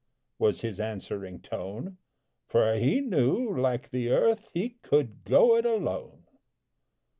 _" was his answering tone, For he knew, like the earth, he could "go it alone!"